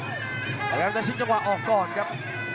แต่กลางจะพยายามตั้งจังหวะออกก่อนครับ